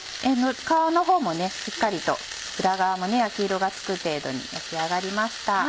皮のほうもしっかりと裏側も焼き色がつく程度に焼き上がりました。